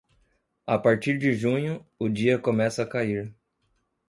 A partir de junho, o dia começa a cair.